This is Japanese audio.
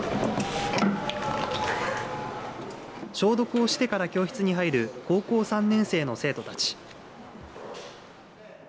消毒をしてから教室に入る高校３年生の生徒たち。